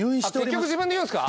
結局自分で言うんすか？